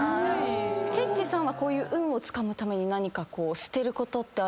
チッチさんは運をつかむために何かしてることってあります？